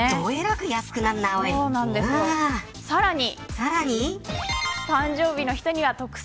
さらに。